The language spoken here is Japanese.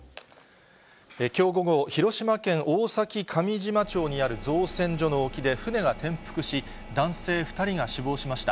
きょう午後、広島県大崎上島町にある造船所の沖で船が転覆し、男性２人が死亡しました。